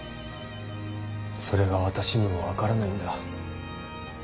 それが私にも分からないんだ。